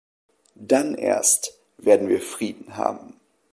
Dann erst werden wir Frieden haben!